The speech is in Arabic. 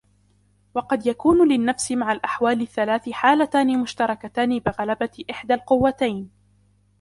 وَقَدْ يَكُونُ لِلنَّفْسِ مَعَ الْأَحْوَالِ الثَّلَاثِ حَالَتَانِ مُشْتَرَكَتَانِ بِغَلَبَةِ إحْدَى الْقُوَّتَيْنِ